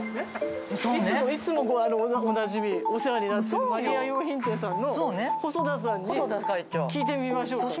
いつもおなじみお世話になってるマリヤ洋品店さんの細田さんに聞いてみましょうかね。